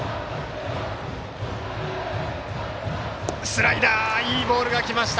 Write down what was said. スライダーいいボールが来ました